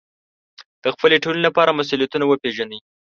د خپلې ټولنې لپاره مسوولیتونه وپېژنئ.